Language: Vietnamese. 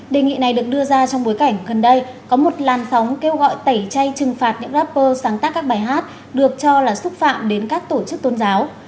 đề nghị này được đưa ra trong bối cảnh gần đây có một làn sóng kêu gọi tẩy chay trừng phạt những rapper sáng tác các bài hát được cho là xúc phạm đến các tổ chức tôn giáo